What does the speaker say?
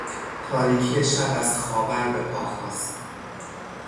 تاریکی شب از خاور به پا خاست.